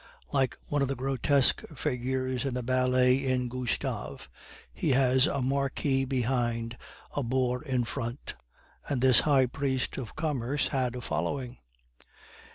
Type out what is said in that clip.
Like one of the grotesque figures in the ballet in Gustave, he was a marquis behind, a boor in front. And this high priest of commerce had a following.